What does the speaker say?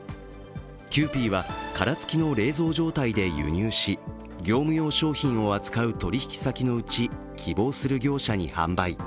キユーピーは殻付きの冷蔵状態で輸入し業務用商品を扱う取引先のうち希望する業者に販売。